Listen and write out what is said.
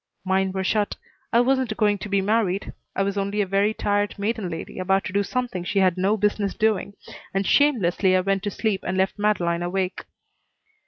Mine were shut. I wasn't going to be married. I was only a very tired maiden lady about to do something she had no business doing, and shamelessly I went to sleep and left Madeleine awake.